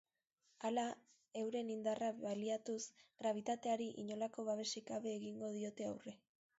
Hala, euren indarra baliatuz, grabitateari inolako babesik gabe egingo diote aurre.